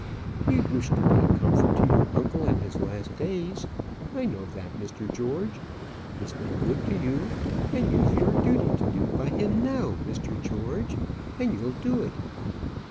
You'd wish to be a comfort to your uncle in his last days. I know that, Mr. George. He's been good to you; and you've your duty to do by him now, Mr. George; and you'll do it."